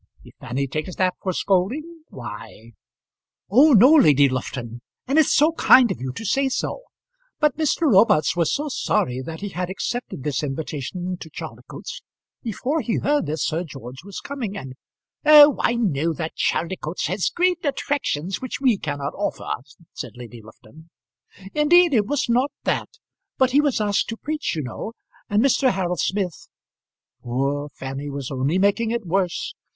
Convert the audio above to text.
If Fanny takes that for scolding, why " "Oh! no, Lady Lufton; and it's so kind of you to say so. But Mr. Robarts was so sorry that he had accepted this invitation to Chaldicotes, before he heard that Sir George was coming, and " "Oh, I know that Chaldicotes has great attractions which we cannot offer," said Lady Lufton. "Indeed, it was not that. But he was asked to preach, you know; and Mr. Harold Smith " Poor Fanny was only making it worse.